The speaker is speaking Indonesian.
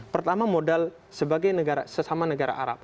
pertama modal sesama negara arab